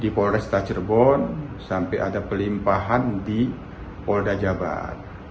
di polresta cirebon sampai ada pelimpahan di polda jabar